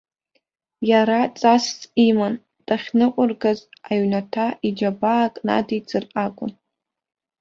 Иара ҵасс иман, дахьныҟәыргаз аҩнаҭа иџьабаак надиҵар акәын.